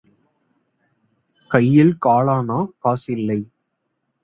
கையில் காலணா காசில்லை.